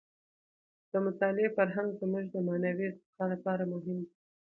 د مطالعې فرهنګ زموږ د معنوي ارتقاع لپاره مهم دی.